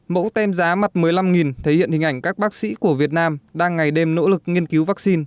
mẫu tem giá mặt một mươi năm thể hiện hình ảnh các bác sĩ của việt nam đang ngày đêm nỗ lực nghiên cứu vaccine